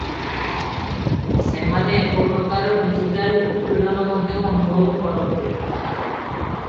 ସେମାନେ ଏକ ପ୍ରକାରର “ଡିଜିଟାଲ ଉତ୍ପୀଡ଼ନ” ମଧ୍ୟ ଅନୁଭବ କରନ୍ତି ।